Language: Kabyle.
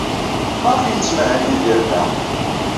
Maɣef ay yettmahal Yidir da?